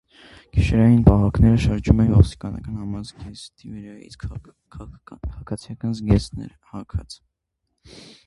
Գիշերային պահակները շրջում էին ոստիկանական համազգեստի վրայից քաղաքացիական զգեստներ հագած։